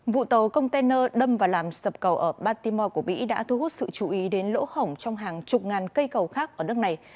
vụ tàu container đâm và làm sập cầu ở batimo của mỹ đã thu hút sự chú ý đến lỗ hỏng trong hàng chục ngàn cây cầu khác ở nước này